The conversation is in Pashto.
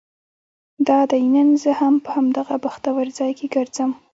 دادی نن زه په همدغه بختور ځای کې ګرځم.